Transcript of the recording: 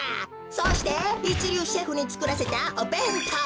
そしていちりゅうシェフにつくらせたおべんとう。